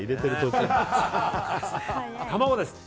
卵です。